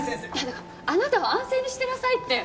だからあなたは安静にしてなさいって。